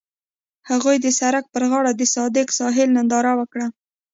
هغوی د سړک پر غاړه د صادق ساحل ننداره وکړه.